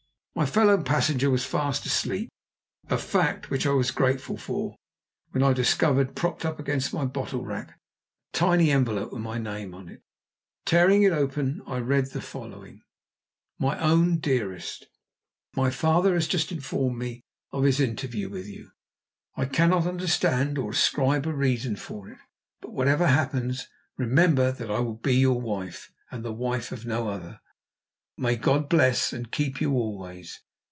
My fellow passenger was fast asleep a fact which I was grateful for when I discovered propped against my bottle rack a tiny envelope with my name upon it. Tearing it open I read the following: "MY OWN DEAREST, "My father has just informed me of his interview with you. I cannot understand it or ascribe a reason for it. But whatever happens, remember that I will be your wife, and the wife of no other. "May God bless and keep you always.